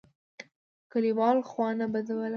کلیوالو خوا نه بدوله.